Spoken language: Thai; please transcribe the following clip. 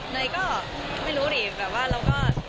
เนยก็ไม่รู้ดิแบบว่าเราก็